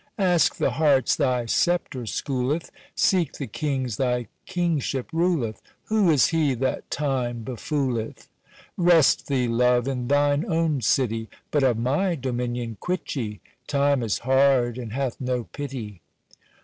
"Ask the hearts thy sceptre schooleth, Seek the kings thy kingship ruleth, Who is he that Time befooleth? "Rest thee, Love, in thine own city, But of my dominion quit ye, Time is hard, and hath no pity.